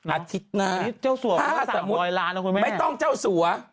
อาทิตย์หน้าถ้าสมมุติไม่ต้องเจ้าสัว